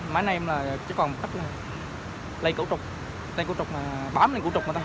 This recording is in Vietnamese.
máy này em là chỉ còn một cách là lây cổ trục lây cổ trục là bám lên cổ trục mà thôi